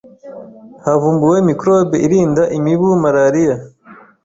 Havumbuwe ‘microbe’ irinda imibu malaria